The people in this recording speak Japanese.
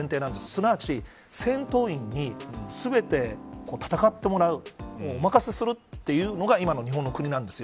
すなわち、戦闘員に全て戦ってもらうお任せするというのが今の日本の国なんです。